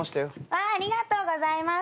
ありがとうございます。